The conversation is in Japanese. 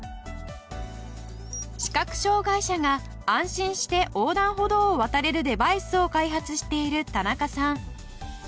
視覚障害者が安心して横断歩道を渡れるデバイスを開発している田中さん。